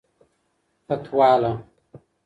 پتواله